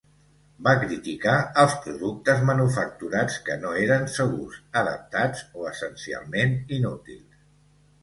Va criticar els productes manufacturats que no eren segurs, adaptats, o essencialment inútils.